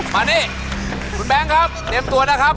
มานี่คุณแบงค์ครับเตรียมตัวนะครับ